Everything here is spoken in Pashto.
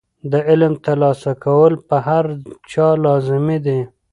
د علم ترلاسه کول په هر چا لازمي دي.